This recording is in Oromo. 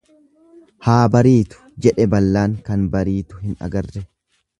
Haa bariitu, jedhe ballaan kan bariitu hin agarre.